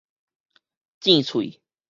諍喙